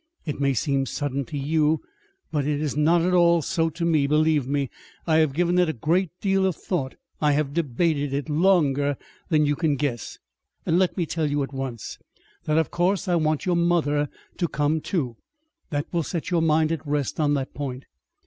It may seem sudden to you but it is not at all so to me. Believe me, I have given it a great deal of thought. I have debated it longer than you can guess. And let me tell you at once that of course I want your mother to come, too. That will set your mind at rest on that point."